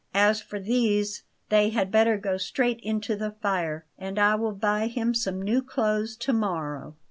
"As for these, they had better go straight into the fire, and I will buy him some new clothes to morrow.